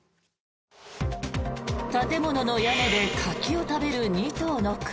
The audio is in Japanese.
建物の屋根で柿を食べる２頭の熊。